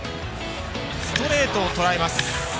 ストレートをとらえます。